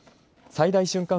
最大瞬間